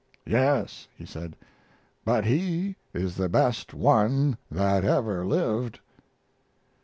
"Yes," he said, "but he is the best one that ever lived."